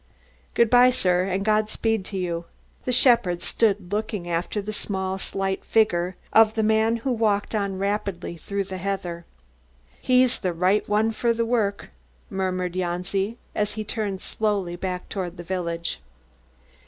"Good bye, sir, and God speed you." The shepherd stood looking after the small, slight figure of the man who walked on rapidly through the heather. "He's the right one for the work," murmured Janci as he turned slowly back towards the village.